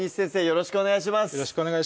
よろしくお願いします